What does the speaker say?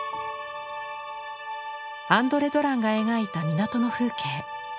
アンドレ・ドランが描いた港の風景。